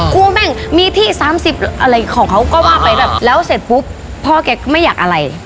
กลัวแม่งมีที่สามสิบอะไรของเขาก็ว่าไปแบบแล้วเสร็จปุ๊บพ่อแกก็ไม่อยากอะไร